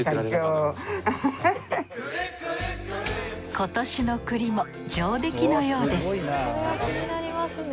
今年の栗も上出来のようです